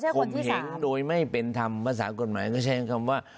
มเหงโดยไม่เป็นธรรมภาษากฎหมายก็ใช้คำว่า